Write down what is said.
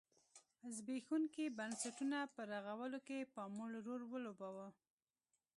زبېښونکي بنسټونه په رغولو کې پاموړ رول ولوباوه.